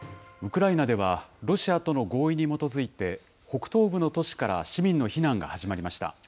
ウクライナでは、ロシアとの合意に基づいて、北東部の都市から市民の避難が始まりました。